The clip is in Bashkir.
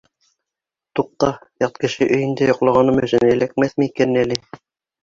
Туҡта, ят кеше өйөндә йоҡлағаным өсөн эләкмәҫме икән әле?